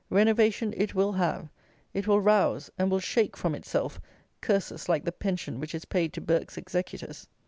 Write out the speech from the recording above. Renovation it will have: it will rouse and will shake from itself curses like the pension which is paid to Burke's executors.